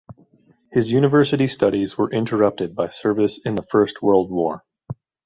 His university studies were interrupted by service in the First World War.